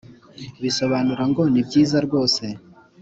bisobanura ngo ni byiza rwose